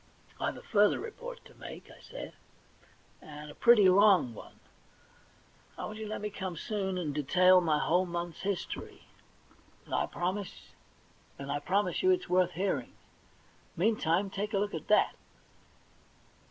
* I've a further report to make,' I said, * and a pretty long one. I want you to let me come soon, and detail my whole month's history; and I D 2 36 THE £1,000,000 BANK NOTE promise you it's worth hearing. Meantime, take a look at that.